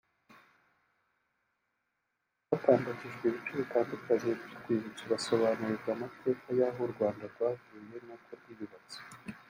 Batambagijwe ibice bitandukanye by’urwibutso basobanurirwa amateka y’aho u Rwanda rwavuye n’uko rwiyubatse